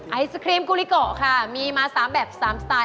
ไอศครีมกุลิเกาะค่ะมีมา๓แบบ๓สไตล์